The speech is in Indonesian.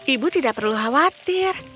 ibu tidak perlu khawatir